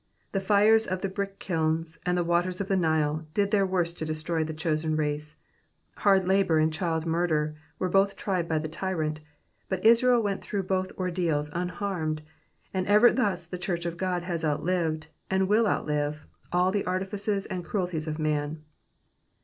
The fires €ff the brick kiln and the waters of the Nile did their worst to destroy the chosen race ; hiird labour and child murder were both tried by the tyrant, but Israel went through both ordeals unharmed, and even thus the church of God has outlived, and will outlive, all the artifices and cruelties of mun.